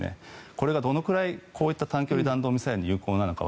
これがどのくらい短距離弾道ミサイルに有効なのか